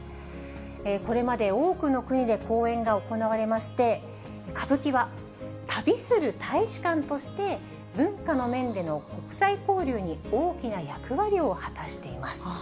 これまで多くの国で公演が行われまして、歌舞伎は旅する大使館として、文化の面での国際交流に大きな役割を果たしています。